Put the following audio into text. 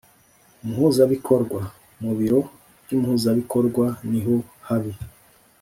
’Umuhuzabikorwa. Mu biro by’Umuhuzabikorwa niho habi